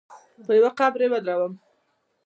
پر يوه قبر يې ودرولم.